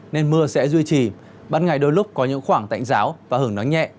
nên mưa sẽ duy trì ban ngày đôi lúc có những khoảng tạnh giáo và hứng nóng nhẹ